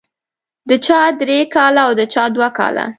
د چا درې کاله او د چا دوه کاله.